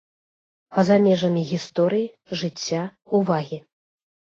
Па-за межамі гісторыі, жыцця, увагі.